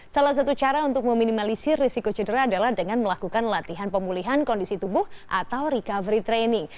salah satu cara untuk meminimalisir risiko cedera adalah dengan melakukan latihan pemulihan kondisi tubuh atau recovery training